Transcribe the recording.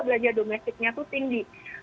belanja domestiknya tuh tinggi